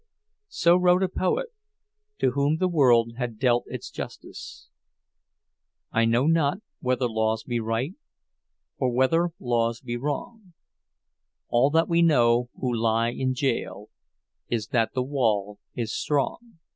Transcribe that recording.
So wrote a poet, to whom the world had dealt its justice— I know not whether Laws be right, Or whether Laws be wrong; All that we know who lie in gaol Is that the wall is strong.